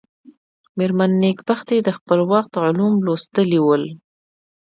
مېرمن نېکبختي د خپل وخت علوم لوستلي ول.